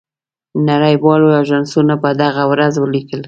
نړۍ والو آژانسونو په دغه ورځ ولیکل.